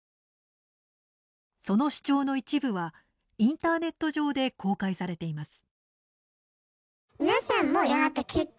その主張の一部はインターネット上で公開されています。